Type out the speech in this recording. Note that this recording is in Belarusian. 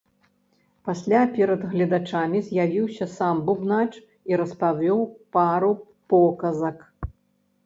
Пасля перад гледачамі з'явіўся сам бубнач і распавёў пару показак.